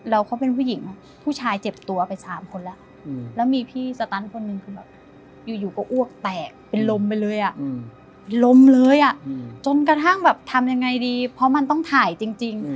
แล้วเขาเป็นผู้หญิงผู้ชายเจ็บตัวไป๓คนแล้วแล้วมีพี่สตันคนหนึ่งคือแบบอยู่ก็อ้วกแตกเป็นลมไปเลยอ่ะลมเลยอ่ะจนกระทั่งแบบทำยังไงดีเพราะมันต้องถ่ายจริง